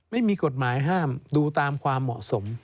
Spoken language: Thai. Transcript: ไม่มีกฎหมายห้ามดูตามความเหมาะสม